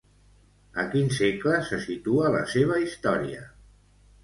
A quin segle se situa la seva història?